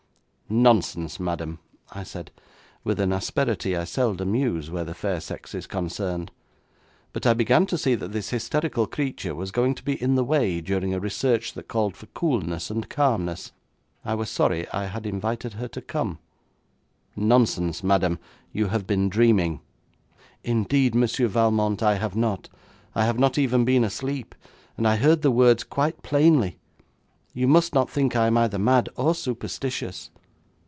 'Nonsense, madam,' I said, with an asperity I seldom use where the fair sex is concerned; but I began to see that this hysterical creature was going to be in the way during a research that called for coolness and calmness. I was sorry I had invited her to come. 'Nonsense, madam, you have been dreaming.' 'Indeed, Monsieur Valmont, I have not. I have not even been asleep, and I heard the words quite plainly. You must not think I am either mad or superstitious.'